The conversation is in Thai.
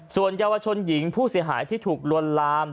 ส่วนเยาวชนหญิงผู้เสียหายที่ถูกลวนลาม